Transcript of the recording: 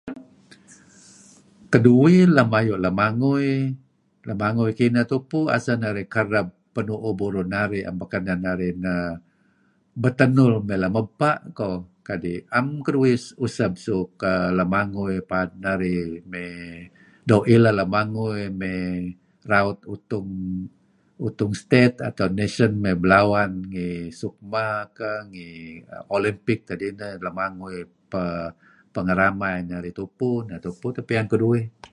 Keduih lem ayu' lemangui lemangui kinah tupu asal narih kereb penu'uh burur narih am pekeneh narih neh betenul mey lem ebpa' koh kadi' am keduih useb suk aah lemangui paad narih mey doo' ilah lemangui mey raut utung utung state atau nation me belawan ngi Sukma kah ngi Olympic tad inah. Lemangui [peh] pengeramai narih tupu neh tupu teh piyan keduih.